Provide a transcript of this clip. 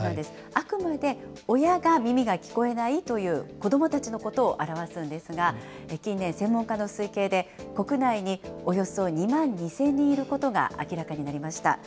あくまで親が耳が聞こえないという子どもたちのことを表すんですが、近年、専門家の推計で国内におよそ２万２０００人いることが明らかになりました。